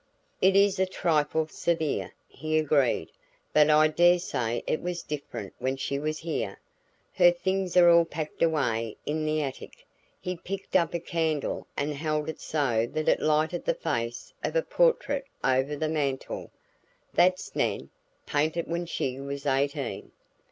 "It is a trifle severe," he agreed, "but I dare say it was different when she was here. Her things are all packed away in the attic." He picked up a candle and held it so that it lighted the face of a portrait over the mantle. "That's Nan painted when she was eighteen."